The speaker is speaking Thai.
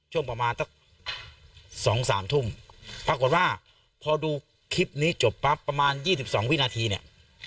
ช่วงประมาณสัก๒๓ทุ่มปรากฏว่าพอดูคลิปนี้จบปั๊บประมาณ๒๒วินาทีเนี่ย